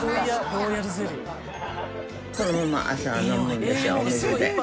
このまま朝飲むんですよお水で。